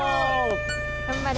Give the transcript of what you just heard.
頑張れ。